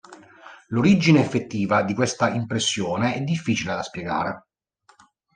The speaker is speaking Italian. L'origine effettiva di questa impressione è difficile da spiegare.